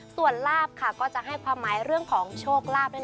ส่วนลาบค่ะก็จะให้ความหมายเรื่องของโชคลาภนั่นเอง